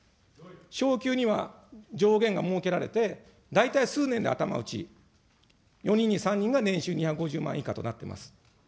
昇給には上限が設けられて、大体数年で頭打ち、４人に３人が年収２５０万円以下となっております。